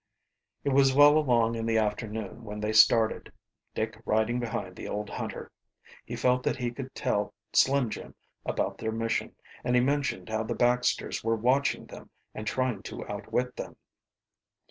It was well along in the afternoon when they started, Dick riding behind the old hunter. He felt that he could tell Slim Jim about their mission, and he mentioned how the Baxters were watching them and trying to outwit them.